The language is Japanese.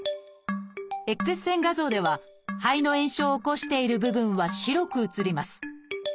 Ｘ線画像では肺の炎症を起こしている部分は白く映ります。